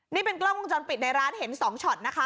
นี่เป็นกล้องวงจรปิดในร้านเห็น๒ช็อตนะคะ